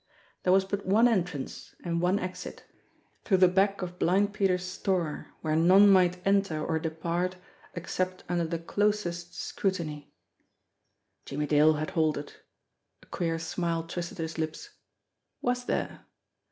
There was but one entrance and one exit through the back of Blind Peter's store, where none might enter or depart except under the closest scrutiny. Jimmie Dale had halted. A queer smile twisted his lips. Was there?